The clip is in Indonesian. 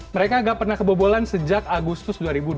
mereka nggak pernah kebobolan sejak agustus dua ribu dua puluh